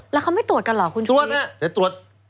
แล้วเขาไม่ตรวจกันเหรอคุณชุมวิทย์ตรวจน่ะแต่ตรวจ